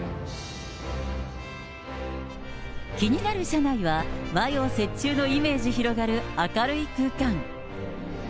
気になる車内は、和洋折衷のイメージ広がる明るい空間。